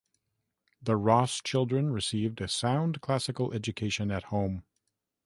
The Ross children received a sound classical education at home.